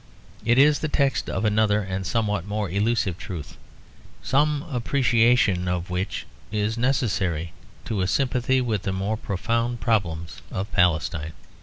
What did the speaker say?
It is the text of another and somewhat more elusive truth; some appreciation of which is necessary to a sympathy with the more profound problems of Palestine.